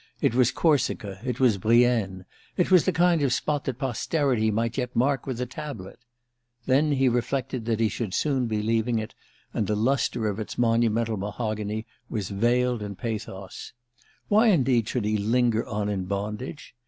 It was Corsica, it was Brienne it was the kind of spot that posterity might yet mark with a tablet. Then he reflected that he should soon be leaving it, and the lustre of its monumental mahogany was veiled in pathos. Why indeed should he linger on in bondage?